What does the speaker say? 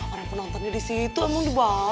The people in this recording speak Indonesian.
orang penontonnya disitu emang di bawah